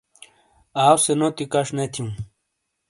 آ ؤسے نوتی کَش نے تھیوں ۔